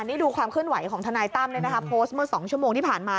นี่ดูความเคลื่อนไหวของทนายตั้มโพสต์เมื่อ๒ชั่วโมงที่ผ่านมา